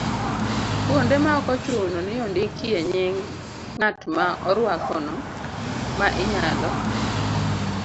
Kuonde ma ok ochuno ni ondikie nying' ng'at ma orwakono, ma inyalo